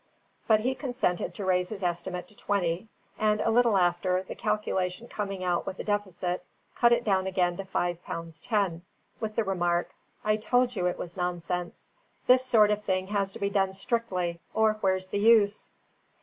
But he consented to raise his estimate to twenty; and a little after, the calculation coming out with a deficit, cut it down again to five pounds ten, with the remark, "I told you it was nonsense. This sort of thing has to be done strictly, or where's the use?"